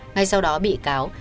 ngay sau đó bị cáo